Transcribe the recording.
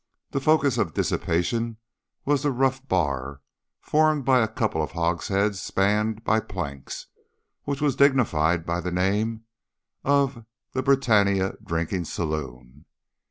The focus of dissipation was the rough bar, formed by a couple of hogsheads spanned by planks, which was dignified by the name of the "Britannia Drinking Saloon."